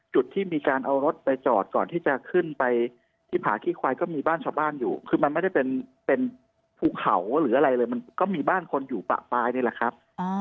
จุดที่มีการเอารถไปจอดก่อนที่จะขึ้นไปที่ผาขี้ควายก็มีบ้านชาวบ้านอยู่คือมันไม่ได้เป็นเป็นภูเขาหรืออะไรเลยมันก็มีบ้านคนอยู่ปะปลายนี่แหละครับ